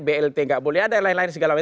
blt nggak boleh ada yang lain lain segala macam